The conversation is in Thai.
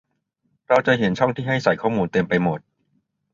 เราจะเห็นช่องที่ให้ใส่ข้อมูลเต็มไปหมด